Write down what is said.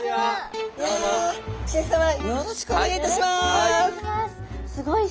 シェフさまよろしくお願いいたします。